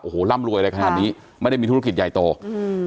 โอ้โหร่ำรวยอะไรขนาดนี้ไม่ได้มีธุรกิจใหญ่โตอืม